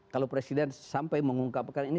kalau presiden sampai mengungkapkan ini